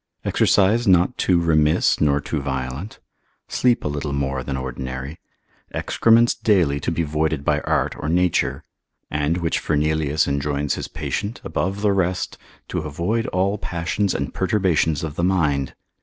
Exercise not too remiss, nor too violent. Sleep a little more than ordinary. Excrements daily to be voided by art or nature; and which Fernelius enjoins his patient, consil. 44, above the rest, to avoid all passions and perturbations of the mind.